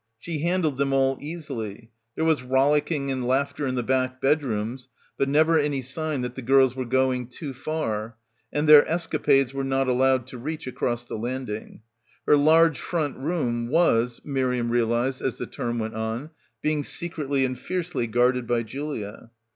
She handled them all easily. There was rollicking and laughter in the back bedrooms, but never any sign that the girls were "going too far," and their escapades were not allowed to reach across the landing. Her large front room was, Miriam realised as the term went on, being secretly and fiercely guarded by Julia.